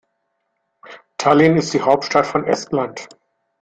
Tallinn ist die Hauptstadt von Estland.